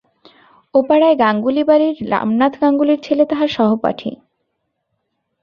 ওপাড়ায় গাঙ্গুলি-বাড়ির রামনাথ গাঙ্গুলির ছেলে তাহার সহপাঠী।